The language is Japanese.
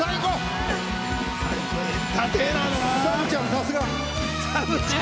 サブちゃん、さすが！